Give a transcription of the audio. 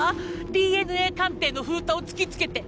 ＤＮＡ鑑定の封筒突き付けて。